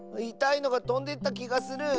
いたいのがとんでったきがする！